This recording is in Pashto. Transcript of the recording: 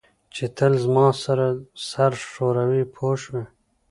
چې تل زما سره سر ښوروي پوه شوې!.